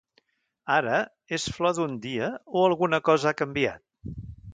Ara, és flor d’un dia o alguna cosa ha canviat?